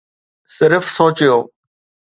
صرف سوچيو.